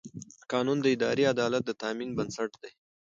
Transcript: قانون د اداري عدالت د تامین بنسټ دی.